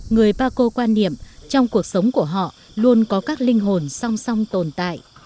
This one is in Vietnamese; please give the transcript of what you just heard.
người bà cô quan niệm trong cuộc sống của họ luôn có các linh hồn song song tồn tại